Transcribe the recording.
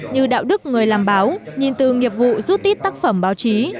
như đạo đức người làm báo nhìn từ nghiệp vụ rút tít tác phẩm báo chí